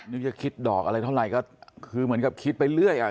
นึกจะคิดดอกอะไรเท่าไหร่ก็คือเหมือนกับคิดไปเรื่อยอ่ะ